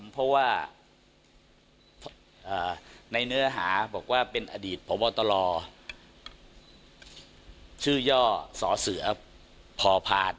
เพราะว่าในเนื้อหาบอกว่าเป็นอดีตพบตรชื่อย่อสอเสือพอพาน